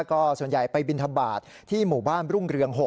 ก็ส่วนใหญ่ไปบินทบาทที่หมู่บ้านรุ่งเรือง๖